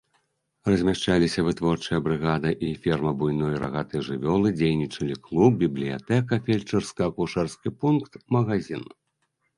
Размяшчаліся вытворчая брыгада і ферма буйной рагатай жывёлы, дзейнічалі клуб, бібліятэка, фельчарска-акушэрскі пункт, магазін.